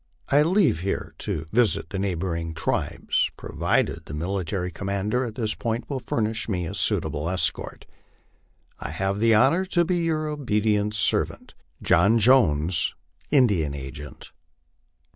I leave here on the th, to visit the neighboring tribes, provided the military commander at this point will furnish me a suitable escort. I have the honor to be your obedient servant, JOHN JONES, Indian Agent.